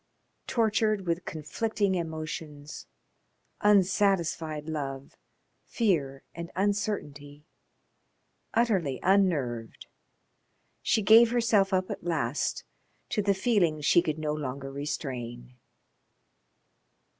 Tortured with conflicting emotions, unsatisfied love, fear and uncertainty, utterly unnerved, she gave herself up at last to the feelings she could no longer restrain.